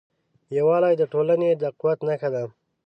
یووالی د ټولنې د قوت نښه ده.